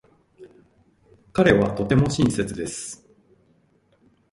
彼はとても親切です。